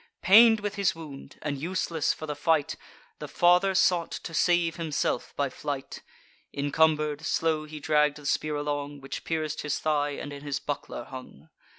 Pain'd with his wound, and useless for the fight, The father sought to save himself by flight: Encumber'd, slow he dragg'd the spear along, Which pierc'd his thigh, and in his buckler hung.